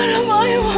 aduh mak ya mak